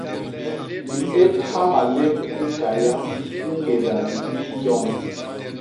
Di ébha malép i Kaya i ñgéda libii joñ.